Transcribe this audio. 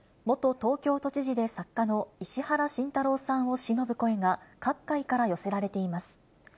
元東京都知事で作家の石原慎太郎さんをしのぶ声が、各界から寄せられています。